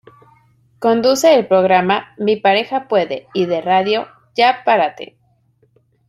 Conduce el programa "Mi pareja puede" y de radio "¡Ya parate!